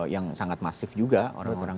yang sangat masif juga orang orang